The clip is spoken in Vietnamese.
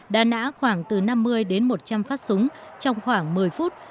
đã nã khoảng từ năm mươi đến một trăm linh phát súng trong khoảng một mươi phút